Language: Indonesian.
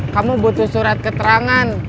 kamu butuh surat keterangan